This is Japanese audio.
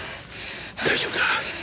大丈夫だ。